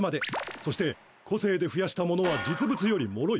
そして個性で増やしたモノは実物より脆い。